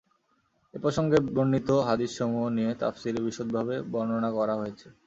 এ প্রসঙ্গে বর্ণিত হাদীসসমূহ নিয়ে তাফসীরে বিশদভাবে বর্ণনা করা হয়েছে।